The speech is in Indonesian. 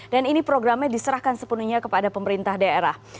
dan ini programnya diserahkan sepenuhnya kepada pemerintah daerah